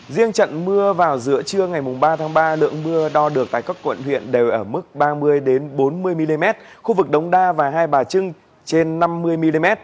riêng trận mưa vào giữa trưa ngày ba tháng ba lượng mưa đo được tại các quận huyện đều ở mức ba mươi bốn mươi mm khu vực đống đa và hai bà trưng trên năm mươi mm